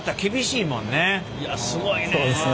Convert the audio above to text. いやすごいね。